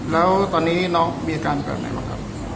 แล้วตอนนี้น้องมีอาการแบบไหนบ้างครับ